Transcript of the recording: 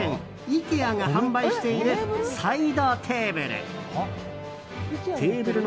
イケアが販売しているサイドテーブル。